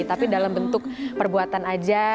tapi dalam bentuk perbuatan aja